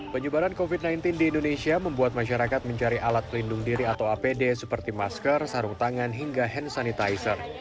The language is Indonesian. penyebaran covid sembilan belas di indonesia membuat masyarakat mencari alat pelindung diri atau apd seperti masker sarung tangan hingga hand sanitizer